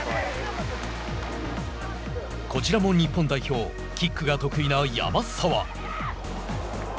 こちらも日本代表キックが得意な山沢。